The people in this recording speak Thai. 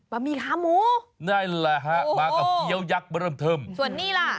บะหมี่ขาหมูโอ้โหส่วนนี่ล่ะ